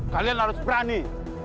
kalian harus berani